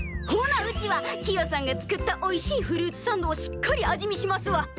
ほなうちはキヨさんが作ったおいしいフルーツサンドをしっかり味見しますわ！